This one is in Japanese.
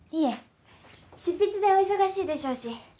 執筆でお忙しいでしょうし。